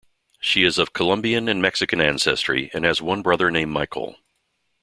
She is of Colombian and Mexican ancestry, and has one brother named Michael.